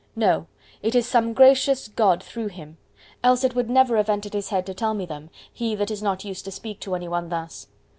No, it is some gracious God through him. Else it would never have entered his head to tell me them—he that is not used to speak to any one thus.